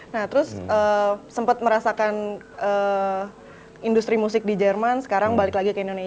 nah terus sempat merasakan industri musik di jerman sekarang balik lagi ke indonesia